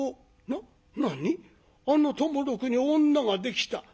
あの友六に女ができた。